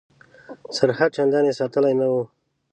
سرحد چنداني ساتلی نه وو.